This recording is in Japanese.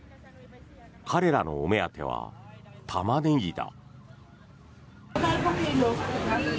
彼らのお目当てはタマネギだ。